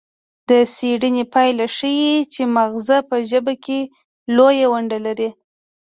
د څیړنې پایله ښيي چې مغزه په ژبه کې لویه ونډه لري